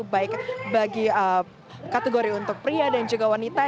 baik bagi kategori untuk pria dan juga wanita